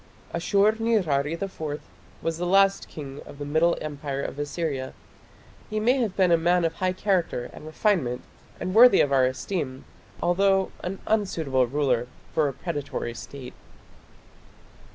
Ashur nirari IV was the last king of the Middle Empire of Assyria. He may have been a man of high character and refinement and worthy of our esteem, although an unsuitable ruler for a predatory State.